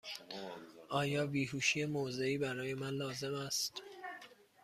آیا بیهوشی موضعی برای من لازم است؟